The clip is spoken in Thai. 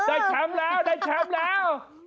แชมป์แล้วได้แชมป์แล้ว